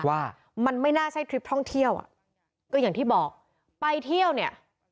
ว่ามันไม่น่าใช่ทริปท่องเที่ยวอ่ะก็อย่างที่บอกไปเที่ยวเนี่ย